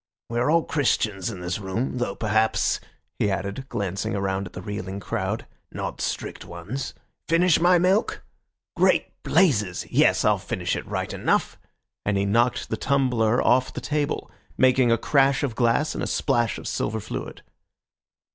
We're all Christians in this room, though perhaps," he added, glancing around at the reeling crowd, "not strict ones. Finish my milk? Great blazes! yes, I'll finish it right enough!" and he knocked the tumbler off the table, making a crash of glass and a splash of silver fluid.